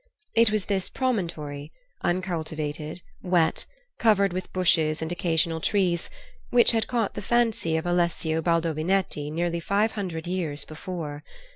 It was this promontory, uncultivated, wet, covered with bushes and occasional trees, which had caught the fancy of Alessio Baldovinetti nearly five hundred years before.